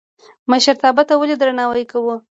مشرتابه ته ولې درناوی کوو؟